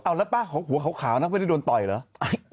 เอาแล้วป้าของหัวขาวนะไม่ได้โดนต่อยเหรอ